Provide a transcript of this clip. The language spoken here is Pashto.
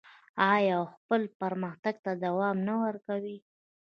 آیا او خپل پرمختګ ته دوام نه ورکوي؟